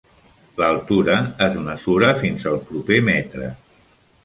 L'altura es mesura fins al proper metre.